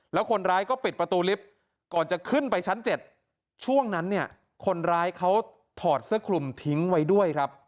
แล้วคนร้ายก็ปิดประตูลิฟต์ก่อนจะขึ้นไปชั้น๗ช่วงนั้นเนี่ยคนร้ายเขาถอดเสื้อคลุมทิ้งไว้ด้วยครับ